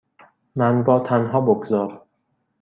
من را تنها بگذار.